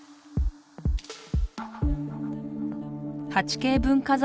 「８Ｋ文化財」